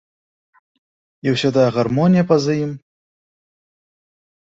І ўся тая гармонія па-за ім.